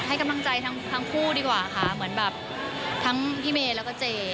ให้กำลังใจทั้งคู่ดีกว่าค่ะเหมือนแบบทั้งพี่เมย์แล้วก็เจ